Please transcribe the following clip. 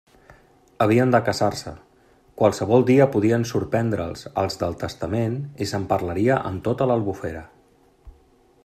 Havien de casar-se: qualsevol dia podien sorprendre'ls els del testament, i se'n parlaria en tota l'Albufera.